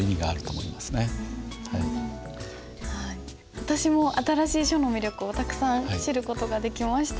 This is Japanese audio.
私も新しい書の魅力をたくさん知る事ができました。